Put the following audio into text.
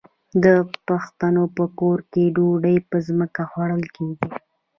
د پښتنو په کور کې ډوډۍ په ځمکه خوړل کیږي.